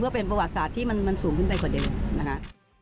เป็นประวัติศาสตร์ที่มันสูงขึ้นไปกว่าเดิมนะคะ